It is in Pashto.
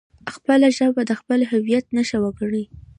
خپله ژبه د خپل هویت نښه وګڼئ.